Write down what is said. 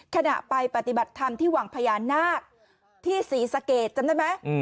ขณะไปปฏิบัติธรรมที่วังพญานาคที่ศรีสะเกดจำได้ไหม